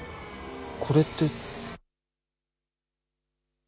これって。